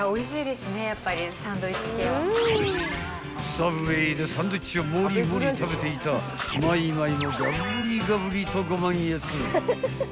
［サブウェイでサンドイッチをもりもり食べていたまいまいもガブリガブリと］